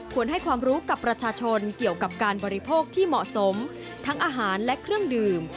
ให้ความรู้กับประชาชนเกี่ยวกับการบริโภคที่เหมาะสมทั้งอาหารและเครื่องดื่ม